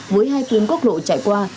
với hai tuyên quốc lộ chạy qua